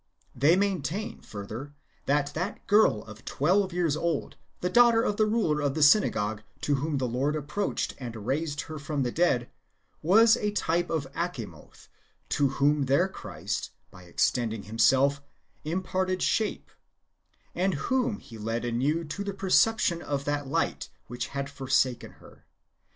They maintain, further, Book l] IEENuEUS AGAINST HERESIES. 33 that that girl of twelve years old, the daughter of the ruler of the synagogue/ to whom the Lord approached and raised her from the dead, was a type of Achamoth, to whom their Christ, by extending himself, imparted shape, and whom he led anew to the perception of that light which had forsaken her.